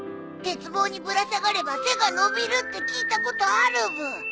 鉄棒にぶら下がれば背が伸びるって聞いたことあるブー。